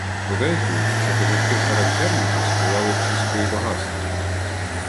Подейкують, що козаки-характерники сховали всі свої багатства